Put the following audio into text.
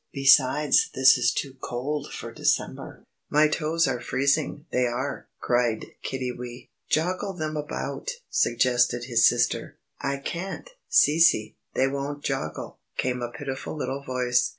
Besides this is too cold for December." "My toes are freezing, they are," cried Kiddiwee. "Joggle them about," suggested his sister. "I can't, Cece, they won't joggle!" came a pitiful little voice.